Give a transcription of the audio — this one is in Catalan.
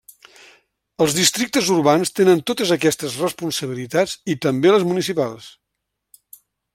Els districtes urbans tenen totes aquestes responsabilitats i també les municipals.